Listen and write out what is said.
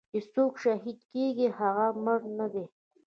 چې سوک شهيد کيګي هغه مړ نه دې.